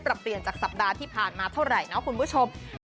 เปลี่ยนจากสัปดาห์ที่ผ่านมาเท่าไหร่นะคุณผู้ชม